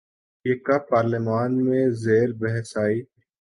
یہ کب پارلیمان میں زیر بحث آئی؟